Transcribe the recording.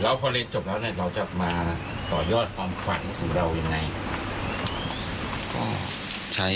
แล้วพอเรียนจบแล้วเนี่ยเราจะมาต่อยอดความฝันของเรายังไง